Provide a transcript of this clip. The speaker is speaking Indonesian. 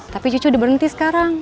tapi cucu udah berhenti sekarang